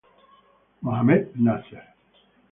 Mohammed Nasser